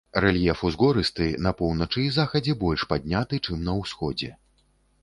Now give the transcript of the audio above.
Рэльеф узгорысты, на поўначы і захадзе больш падняты, чым на ўсходзе.